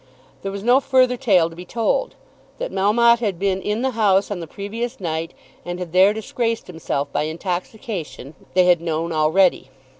There was no further tale to be told. That Melmotte had been in the House on the previous night, and had there disgraced himself by intoxication, they had known already.